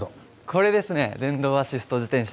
これですね電動アシスト自転車。